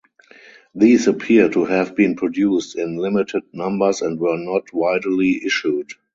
These appear to have been produced in limited numbers and were not widely issued.